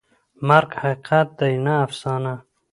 مرګ حقیقت دی، نه افسانه.